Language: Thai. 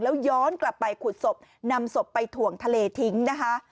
แล้วย้อนกลับไปขุดศพนำศพไปถ่วงทะเลทิ้งนะคะ